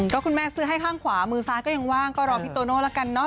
ก็คุณแม่ซื้อให้ข้างขวามือซ้ายก็ยังว่างก็รอพี่โตโน่ละกันเนาะ